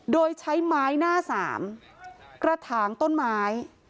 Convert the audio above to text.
โดยใช้ไม้หน้าสามกระถางต้นไม้